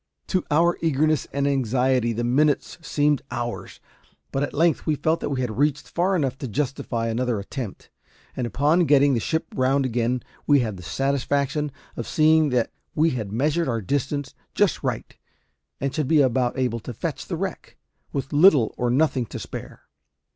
To our eagerness and anxiety the minutes seemed hours; but at length we felt that we had reached far enough to justify another attempt; and upon getting the ship round again we had the satisfaction of seeing that we had measured our distance just right, and should be about able to fetch the wreck, with little or nothing to spare.